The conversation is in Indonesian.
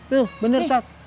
nih bener tat